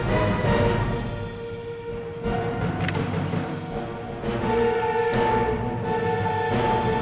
kalau aku bahkan hanya satu orang yang tahu